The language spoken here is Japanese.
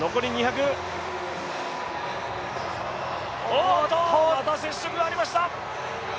おっと、また接触がありました！